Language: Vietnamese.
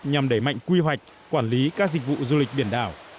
nhằm đẩy mạnh quy hoạch quản lý các dịch vụ du lịch biển đảo